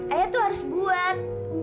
ayah tuh harus buat